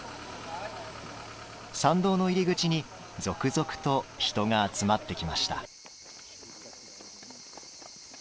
参道の入り口に続々と人が集まってきました。